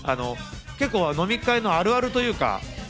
結構飲み会のあるあるというか。